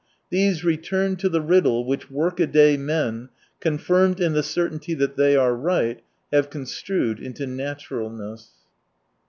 These return to the riddle which workaday men, confirmed in the certainty that they are right, have construed into " naturalness."